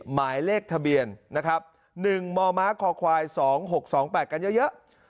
หมายเลขทะเบียนนะครับ๑มมคค๒๖๒๘กันเยอะ